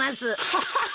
ハハハ！